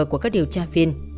của các điều tra phiên